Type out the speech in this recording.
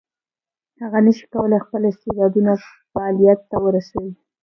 هغه نشي کولای خپل استعدادونه فعلیت ته ورسوي.